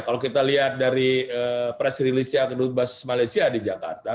kalau kita lihat dari press rilisnya ke nubas malaysia di jakarta